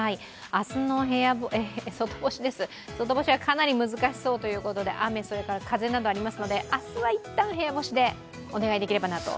明日の外干しはかなり難しそうということで雨、そして風などありますので明日はいったん部屋干しでお願いできればなと。